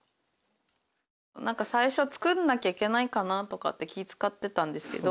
何か最初は作んなきゃいけないかなとかって気遣ってたんですけど